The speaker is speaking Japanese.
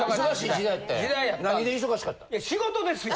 いや仕事ですよ！